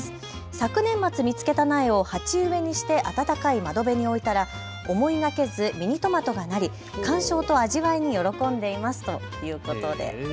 昨年末、見つけた苗を鉢植えにして暖かい窓辺に置いたら思いがけずミニトマトがなり鑑賞と味わいに喜んでいますということです。